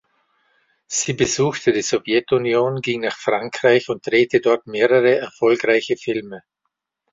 Sie besuchte die Sowjetunion, ging nach Frankreich und drehte dort mehrere erfolgreiche Filme.